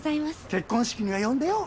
結婚式には呼んでよ？